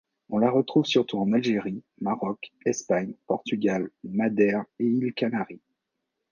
On la trouve surtout en Algérie, Maroc, Espagne, Portugal, Madère et îles Canaries.